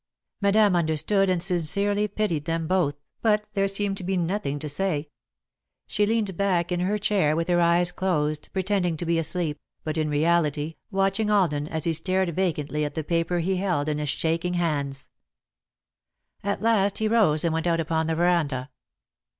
Madame understood and sincerely pitied them both, but there seemed to be nothing to say. She leaned back in her chair, with her eyes closed, pretending to be asleep, but, in reality, watching Alden as he stared vacantly at the paper he held in his shaking hands. [Sidenote: Poor Comfort] At last he rose and went out upon the veranda.